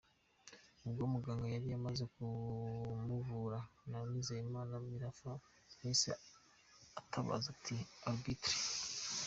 Ubwo muganga yari amaze kumuvura na Nizeyimana Mirafa yahise atabaza ati" Arbitre .